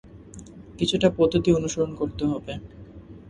কিছুটা পদ্ধতি অনুসরণ করতে হবে।